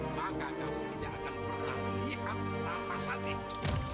maka kamu tidak akan pernah melihat nafas hatiku